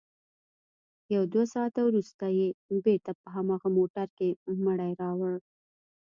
يو دوه ساعته وروسته يې بېرته په هماغه موټر کښې مړى راوړ.